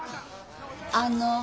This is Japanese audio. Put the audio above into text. あの。